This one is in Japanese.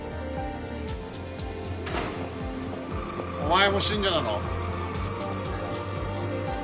お前も信者なの？